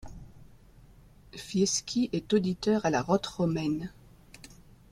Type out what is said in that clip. Fieschi est auditeur à la Rote romaine.